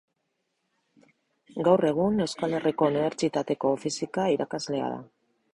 Gaur egun, Euskal Herriko Unibertsitateko Fisika irakaslea da.